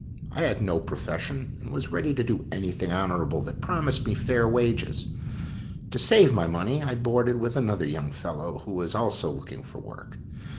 I had no profession and was ready to do anything honorable that promised me fair wages. To save my money, I boarded with another young fellow who was also looking for work.